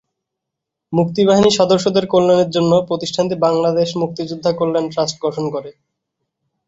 মুক্তিবাহিনী সদস্যদের কল্যাণের জন্য প্রতিষ্ঠানটি বাংলাদেশ মুক্তিযোদ্ধা কল্যাণ ট্রাস্ট গঠন করে।